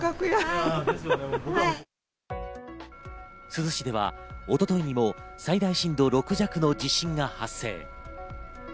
珠洲市では一昨日にも最大震度６弱の地震が発生。